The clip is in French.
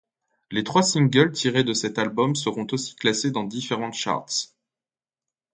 Les trois singles tirés de cet album seront aussi classés dans différents charts.